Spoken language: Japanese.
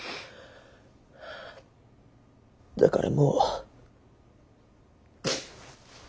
だからもう。